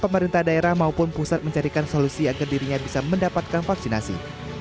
pemerintah daerah maupun pusat mencarikan solusi agar dirinya bisa mendapatkan vaksinasi